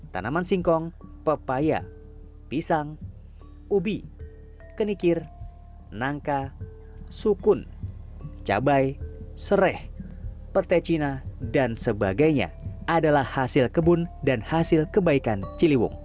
tanaman singkong pepaya pisang ubi kenikir nangka sukun cabai seraih petai cina dan sebagainya adalah hasil kebun dan hasil kebaikan ciliwung